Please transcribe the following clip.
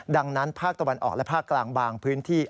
ดังนั้นภาคตะวันออกและภาคกลางบางพื้นที่